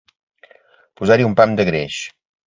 Posar-hi un pam de greix.